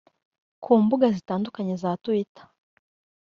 Ku mbuga zitandukanye za Twitter